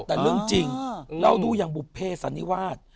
แต่เรื่องจริงเราดูอย่างบุภเพสันนิวาส